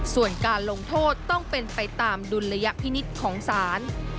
ส่วนการลงโทษต้องเป็นไปตามดุลยพินิษฐ์ของศาล